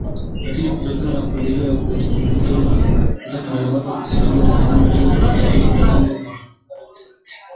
lakini kutokana na kuendelea kwa teknolojia hivi sasa tunatangaza kupitia redio zetu shirika za kanda ya Afrika Mashariki na Kati